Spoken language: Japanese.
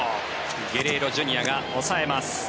ゲレーロＪｒ．が抑えます。